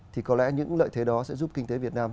thì có lẽ những lợi thế đó sẽ giúp kinh tế việt nam